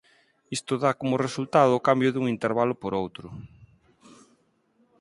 Isto dá como resultado o cambio dun intervalo por outro.